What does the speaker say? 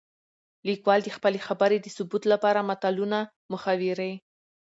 ليکوال د خپلې خبرې د ثبوت لپاره متلونه ،محاورې